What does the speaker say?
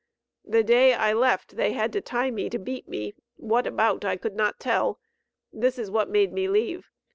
The day I left they had to tie me to beat me, what about I could not tell; this is what made me leave.